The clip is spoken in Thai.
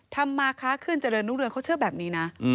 มาค้าขึ้นเจริญรุ่งเรืองเขาเชื่อแบบนี้นะ